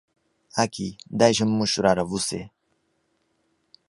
Aqui?, deixe-me mostrar a você.